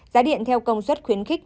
giá điện theo công suất khuyến khích